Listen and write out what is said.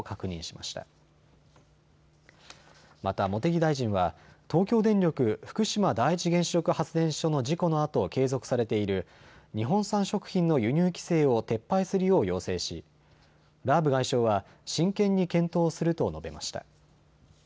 また茂木大臣は東京電力福島第一原子力発電所の事故のあと継続されている日本産食品の輸入規制を撤廃するよう要請しラーブ外相は真剣に検討すると述べました。